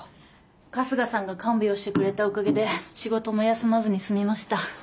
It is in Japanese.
春日さんが看病してくれたおかげで仕事も休まずにすみました。